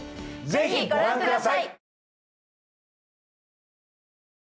是非ご覧下さい！